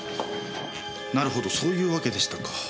なるほどそういうわけでしたか。